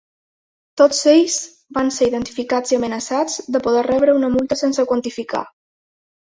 Tots ells van ser identificats i amenaçats de poder rebre una multa sense quantificar.